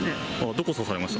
どこ刺されました？